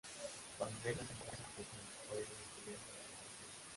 Cuando dejan de hacerlo, la prensa se cuestiona por ello descubriendo la separación.